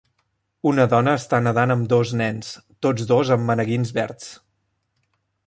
Una dona està nedant amb dos nens, tots dos amb maneguins verds.